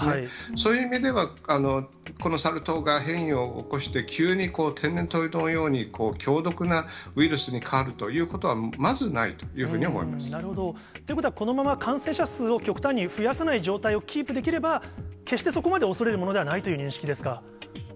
そういう意味では、このサル痘が変異を起こして、急に天然痘のように強毒なウイルスに変わるということは、まずななるほど、ということはこのまま感染者数を極端に増やさない状態をキープできれば、決してそこまで恐れるものではないという認識ですか。